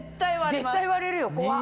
絶対割れるよ怖っ。